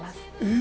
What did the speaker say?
え！